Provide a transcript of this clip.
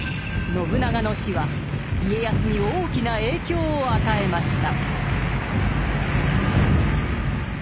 信長の死は家康に大きな影響を与えました。